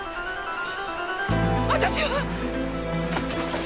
私は！